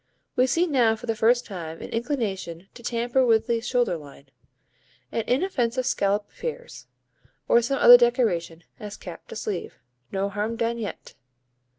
We see now for the first time an inclination to tamper with the shoulder line. An inoffensive scallop appears, or some other decoration, as cap to sleeve. No harm done yet!